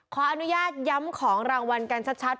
ขออนุญาตย้ำของรางวัลกันชัด